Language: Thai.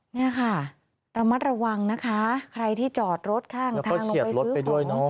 นี่ค่ะระมัดระวังนะคะใครที่จอดรถข้างทางลงไปซื้อของ